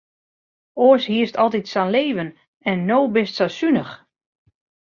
Oars hiest altyd sa'n leven en no bist sa sunich.